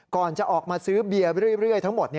ก่อนจะออกมาซื้อเบียร์เรื่อยทั้งหมด